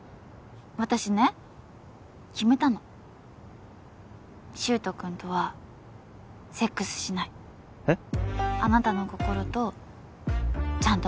私ね決めたの柊人君とはセックスしないえっ？